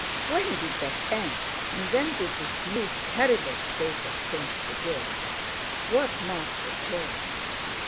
When did that end and when did this new, terrible state of things begin? What marked the change?